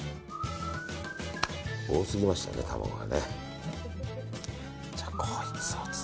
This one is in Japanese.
多すぎましたね、卵が。